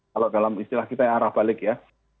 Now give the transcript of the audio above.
kalau dalam istilah kita yang arah balik ya